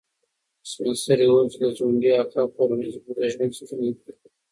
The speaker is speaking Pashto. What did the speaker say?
سپین سرې وویل چې د ځونډي اکا کورنۍ زموږ د ژوند ستنې دي.